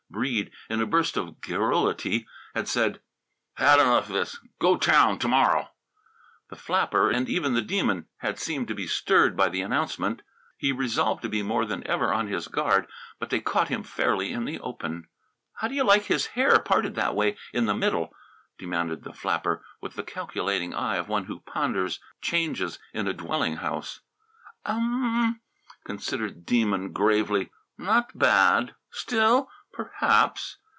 Breede, in a burst of garrulity, had said: "Had enough this; go town to morrow!" The flapper, and even the Demon, had seemed to be stirred by the announcement. He resolved to be more than ever on his guard. But they caught him fairly in the open. "How do you like his hair parted that way in the middle?" demanded the flapper, with the calculating eye of one who ponders changes in a dwelling house. "U u mm!" considered the Demon gravely. "Not bad. Still, perhaps